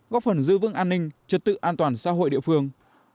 góp phần dư vương an ninh trật tự an toàn xã hội địa phương